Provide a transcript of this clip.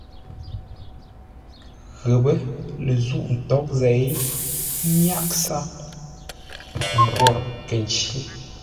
Ghəpə́ lə zûʼ ntǎghʼ zêi, ə́ myǎghʼ sǎʼ, mbwórə kə̂ ncí.